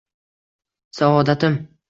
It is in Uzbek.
Saodatim